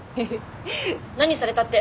何されたって？